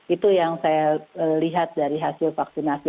itu yang saya lihat dari hasil vaksinasi